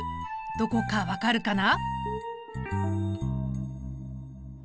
どこか分かるかな？